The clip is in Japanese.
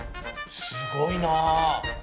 すごいな！